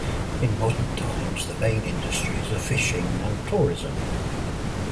In modern times, the main industries are fishing and tourism.